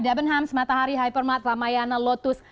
debenhams matahari hypermart lamayana lotus